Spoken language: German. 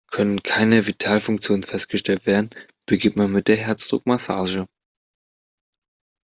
Können keine Vitalfunktionen festgestellt werden, beginnt man mit der Herzdruckmassage.